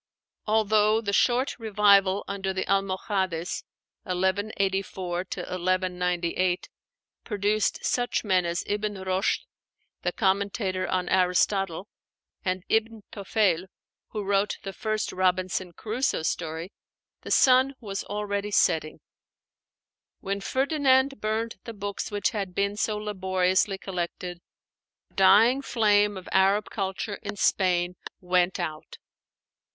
Although the short revival under the Almohades (1184 1198) produced such men as Ibn Roshd, the commentator on Aristotle, and Ibn Toféil, who wrote the first 'Robinson Crusoe' story, the sun was already setting. When Ferdinand burned the books which had been so laboriously collected, the dying flame of Arab culture in Spain went out.